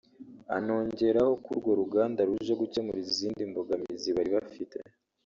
anongeraho ko urwo ruganda ruje gukemura izindi mbogamizi bari bafite